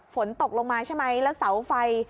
ฝนตกลงมาใช่ไหมแล้วเสาไฟ